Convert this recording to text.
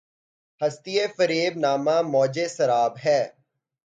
ہستی‘ فریب نامۂ موجِ سراب ہے